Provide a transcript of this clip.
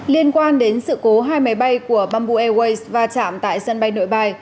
liên quan đến sự cố hai máy bay của bamboo airways va chạm tại sân bay nội bài